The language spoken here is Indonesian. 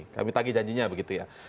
kami tagih janjinya begitu ya